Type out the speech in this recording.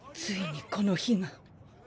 ついにこの日が。